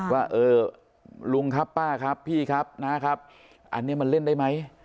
ว่าเออลุงครับป้าครับพี่ครับน้าครับอันนี้มันเล่นได้ไหม